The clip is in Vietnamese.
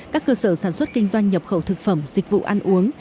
các cơ sở sản xuất kinh doanh nhập khẩu thực phẩm dịch vụ ăn uống